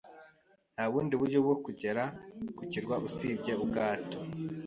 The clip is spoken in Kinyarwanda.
Nta bundi buryo bwo kugera ku kirwa usibye ubwato.